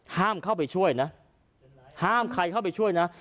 เข้าไปช่วยนะห้ามใครเข้าไปช่วยนะ